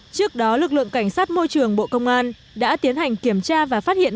trước đó lực lượng cảnh sát môi trường bộ công an đã tiến hành kiểm tra và phát hiện